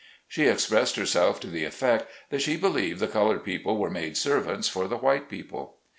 She expressed herself to the effect that she believed the colored people were made servants for the white people.